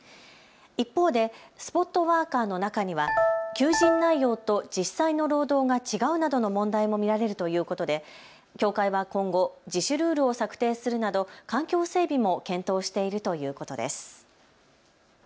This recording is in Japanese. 一方でスポットワーカーの中には求人内容と実際の労働が違うなどの問題も見られるということで協会は今後、自主ルールを策定するなど環境整備も検討しているということです。